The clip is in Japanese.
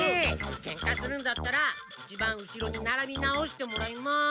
ケンカするんだったらいちばん後ろに並び直してもらいます。